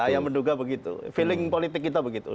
yang menduga begitu feeling politik kita begitu